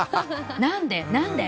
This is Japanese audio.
何で？